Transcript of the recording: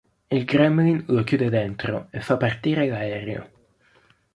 Il gremlin lo chiude dentro e fa partire l'aereo.